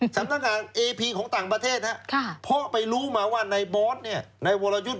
และเขาก็ไปไต้หวันทีผมก็คิดครับ